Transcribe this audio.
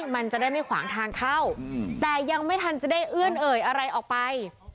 มันจะได้ไม่ขวางทางเข้าแต่ยังไม่ทันจะได้เอื้อนเอ่ยอะไรออกไป